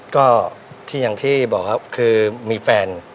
ก็ที่อย่างที่บอกครับคือมีแฟน